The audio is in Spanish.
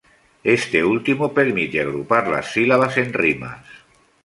Este último permite agrupar las sílabas en rimas.